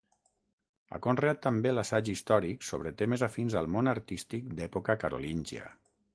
Ha conreat també l'assaig històric sobre temes afins al món artístic d'època carolíngia.